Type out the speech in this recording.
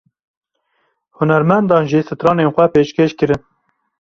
Hunermendan jî stranên xwe pêşkêş kirin.